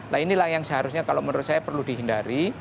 nah inilah yang seharusnya kalau menurut saya perlu dihindari